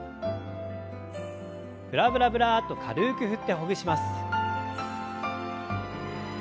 ブラブラブラッと軽く振ってほぐします。